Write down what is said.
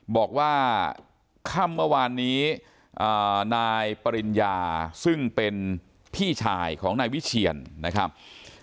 บอกว่าค่ำเมื่อวานนี้นายปริญญาซึ่งเป็นพี่ชายของนายวิเชียนนะครับ